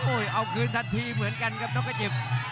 เอาคืนทันทีเหมือนกันครับนกกระจิบ